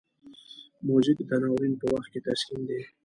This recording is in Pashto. موزیک د ناورین په وخت کې تسکین دی.